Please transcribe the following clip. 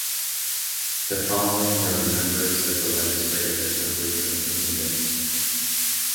The following were the members of the Legislative Assembly from Huntingdon.